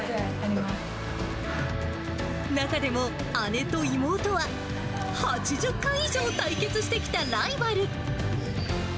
中でも、姉と妹は８０回以上対決してきたライバル。